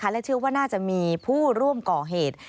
และเชื่อว่าน่าจะมีผู้ร่วมก่อเหตุ